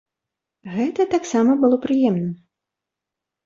Гэта таксама было прыемна.